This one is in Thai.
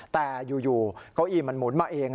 แต่อยู่เก้าอี้มันหมุนมาเอง